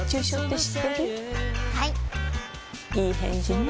いい返事ね